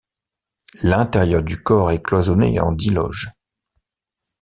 L'intérieur du corps est cloisonné en dix loges.